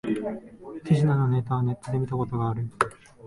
この手品のネタはネットで見たことある